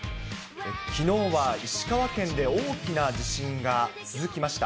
きのうは石川県で大きな地震が続きました。